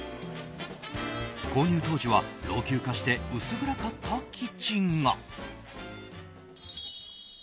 購入当時は老朽化して薄暗かったキッチンが。